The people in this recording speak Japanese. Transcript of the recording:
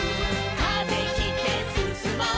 「風切ってすすもう」